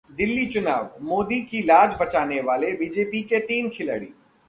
दिल्ली चुनावः मोदी की लाज बचाने वाले बीजेपी के तीन खिलाड़ी